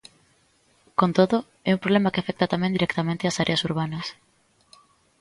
Con todo, "é un problema que afecta tamén directamente ás áreas urbanas".